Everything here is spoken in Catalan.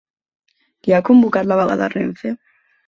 Qui ha convocat la vaga de Renfe?